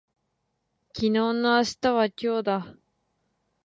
昨日の明日は今日だ